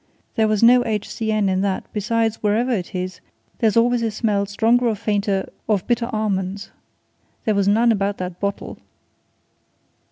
There was no H.C.N. in that besides, wherever it is, there's always a smell stronger or fainter of bitter almonds. There was none about that bottle."